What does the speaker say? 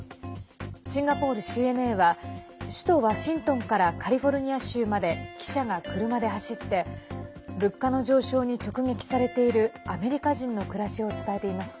シンガポールＣＮＡは首都ワシントンからカリフォルニア州まで記者が車で走って物価の上昇に直撃されているアメリカ人の暮らしを伝えています。